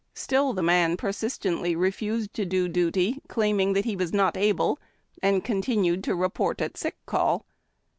Still the man persistently refused to do duty, claiming that he was not able, and continued to report at sick call.